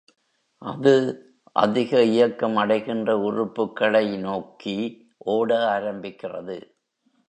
அது அதிக இயக்கம் அடைகின்ற உறுப்புக்களை நோக்கி ஓட ஆரம்பிக்கிறது.